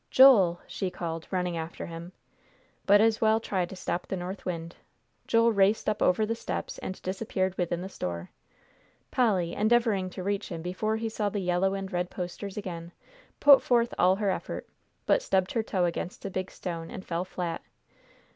"Joel!" she called, running after him. But as well try to stop the north wind. Joel raced up over the steps and disappeared within the store. Polly, endeavoring to reach him before he saw the yellow and red posters again, put forth all her effort, but stubbed her toe against a big stone, and fell flat.